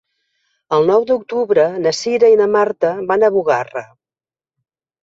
El nou d'octubre na Cira i na Marta van a Bugarra.